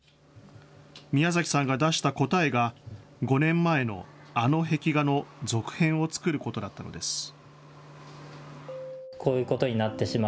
ミヤザキさんが出した答えが５年前のあの壁画の続編を作ることだったのです。